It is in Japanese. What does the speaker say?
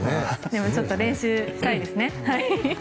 でもちょっと練習したいですね。